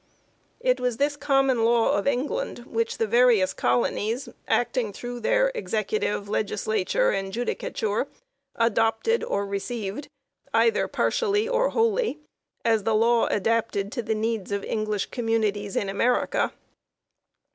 It was this Common Law of Eng land which the various colonies, acting through their executive, legislature, and judicature, adopted or re ceived, either partially or wholly, as the law adapted to the needs of English communities in America.